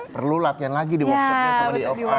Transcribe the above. perlu latihan lagi di workshopnya sama day of art